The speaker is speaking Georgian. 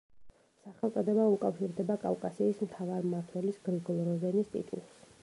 სახელწოდება უკავშირდება კავკასიის მთავარმმართველის გრიგოლ როზენის ტიტულს.